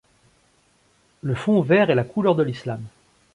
Le fond vert est la couleur de l'islam.